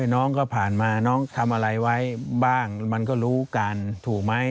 น้องก็ผ่านมาน้องทำอะไรไว้บ้างมันก็รู้กันถูกไหม